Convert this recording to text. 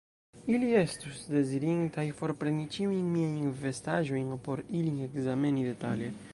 Ili estus dezirintaj forpreni ĉiujn miajn vestaĵojn, por ilin ekzameni detale.